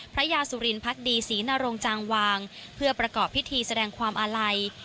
พระยาสุรินพักดีศรีนรงจางวางเพื่อประกอบพิธีแสดงความอาลัย